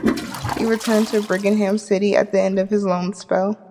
He returned to Birmingham City at the end of his loan spell.